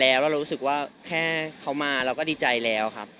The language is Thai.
แล้วเรารู้สึกว่าแค่เขามาเราก็ดีใจแล้วครับ